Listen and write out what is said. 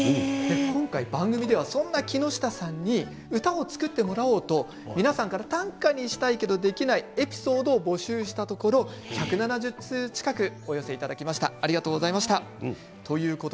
今回、番組ではそんな木下さんに歌を作ってもらおうと皆さんから短歌にしたいけどできないエピソードを募集したところ１７０通近くお寄せいただきました。